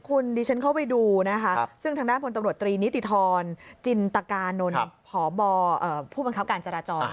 คุณดิฉันเข้าไปดูนะคะซึ่งทางด้านพลตำรวจตรีนิติธรจินตกานนท์พบผู้บังคับการจราจร